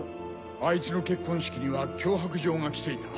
あいつの結婚式には脅迫状が来ていた。